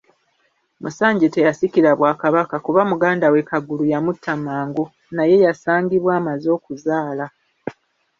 Musanje teyasikira Bwakabaka, kuba muganda we Kagulu yamutta mangu, naye yasangibwa amaze okuzaala.